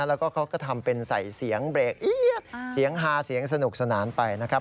แล้วก็เขาก็ทำเป็นใส่เสียงเบรกเอี๊ยดเสียงฮาเสียงสนุกสนานไปนะครับ